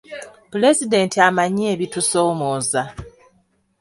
Pulezidenti amanyi ebitusoomooza.